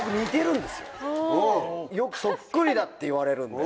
よくそっくりだって言われるんで。